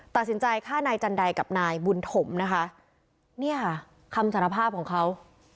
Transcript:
ตัดสินใจฆ่านายจันไดกับนายบุญถมนะคะเนี่ยค่ะคำสารภาพของเขา